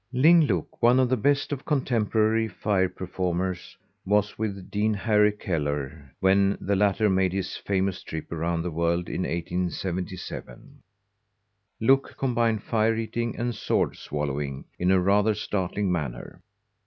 Ling Look, one of the best of contemporary fire performers, was with Dean Harry Kellar when the latter made his famous trip around the world in 1877. Look combined fire eating and sword swallowing in a rather startling manner.